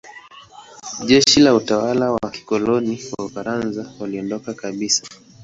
Jeshi na watawala wa kikoloni wa Ufaransa waliondoka kabisa.